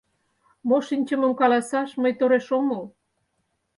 — Мо шинчымым каласаш мый тореш ом ул.